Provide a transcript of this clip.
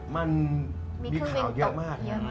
มีข่าวเยอะมากนะครับ